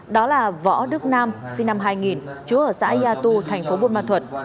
đó là võ đức nam sinh năm hai nghìn trú ở xã yà tu thành phố buôn ma thuật